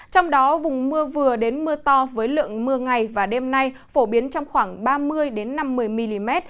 trong đó vùng mưa vừa đến mưa to với lượng mưa ngày và đêm nay phổ biến trong khoảng ba mươi năm mươi mm